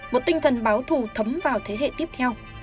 một tinh thần báo thù thấm vào thế hệ tiếp theo